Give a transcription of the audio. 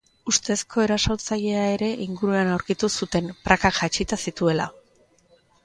Ustezko erasotzailea ere inguruan aurkitu zuten, prakak jaitsita zituela.